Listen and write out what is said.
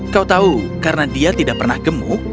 kau tahu karena dia tidak pernah gemuk